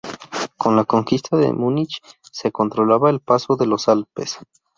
Con la conquista de Múnich, se controlaba el paso de los Alpes.